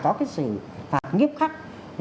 có cái sự nghiêm khắc